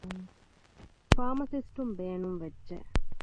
ފާމަސިސްޓުން ބޭނުންވެއްޖެ